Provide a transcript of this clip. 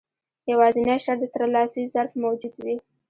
يوازنی شرط د ترلاسي ظرف موجود وي.